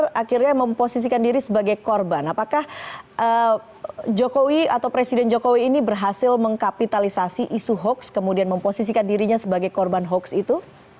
kalau akhirnya memposisikan diri sebagai korban apakah jokowi atau presiden jokowi ini berhasil mengkapitalisasi isu hoax kemudian memposisikan dirinya sebagai korban hoax itu